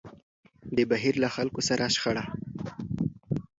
د بهير له خلکو سره شخړه.